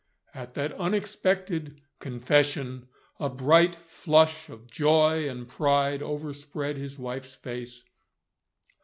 At that unexpected confession, a bright flush of joy and pride overspread his wife's face.